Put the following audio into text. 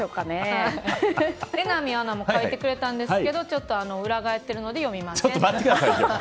榎並アナも書いてくれましたがちょっと裏返っているので読みません。